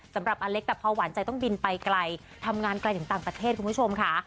สำหรับอเล็กแต่พอหวานใจต้องบินไปไกลทำงานไกลถึงต่างประเทศคุณผู้ชมค่ะ